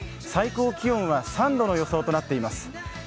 最高気温は３度の予想となっています。